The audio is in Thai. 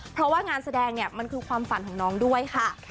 เพราะว่างานแสดงเนี่ยมันคือความฝันของน้องด้วยค่ะ